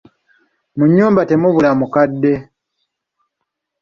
Mu nnyumba temubula mukadde.